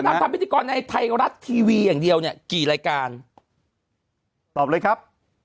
ทำพิธีกรในไทยรัฐทีวีอย่างเดียวเนี่ยกี่รายการตอบเลยครับ